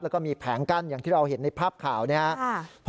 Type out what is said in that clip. แล้วก็มีแผงกั้นอย่างที่เราเห็นในภาพข่าวนะครับ